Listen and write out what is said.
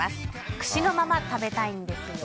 串のまま食べたいんですよね。